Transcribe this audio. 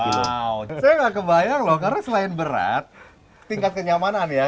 saya nggak kebayang loh karena selain berat tingkat kenyamanan ya